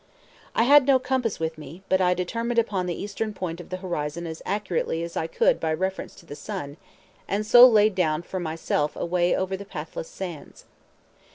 I had no compass with me, but I determined upon the eastern point of the horizon as accurately as I could by reference to the sun, and so laid down for myself a way over the pathless sands.